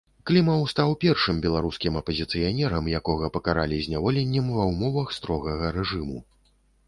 Клімаў стаў першым беларускім апазіцыянерам, якога пакаралі зняволеннем ва ўмовах строгага рэжыму.